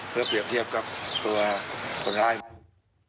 เพื่อเปรียบเทียบกับตัวคนร้ายมัน